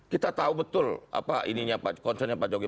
kita tahu betul konsennya pak jokowi